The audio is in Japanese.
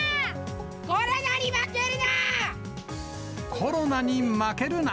コロナに負けるな！